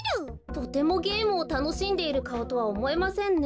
とてもゲームをたのしんでいるかおとはおもえませんね。